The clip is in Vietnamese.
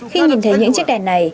khi nhìn thấy những chiếc đèn này